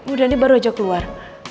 udah nih baru ajak keluar